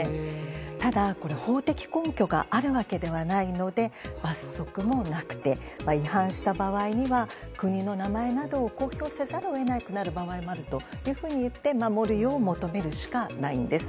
ただ、法的根拠があるわけではないので罰則もなくて違反した場合には国の名前などを公表せざるを得なくなる場合もあると言って守るよう求めるしかないんです。